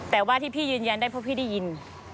แต่ว่าที่พี่ยืนยันได้เพราะพี่ได้ยิน